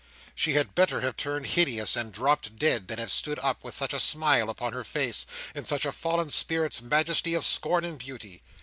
She had better have turned hideous and dropped dead, than have stood up with such a smile upon her face, in such a fallen spirit's majesty of scorn and beauty.